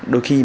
đôi khi mình